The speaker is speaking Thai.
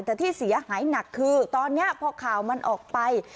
แต่ที่เสียหายหนักคือตอนนี้พอข่าวมันออกไป